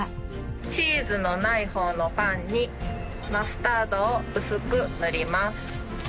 チーズのない方のパンにマスタードを薄く塗ります。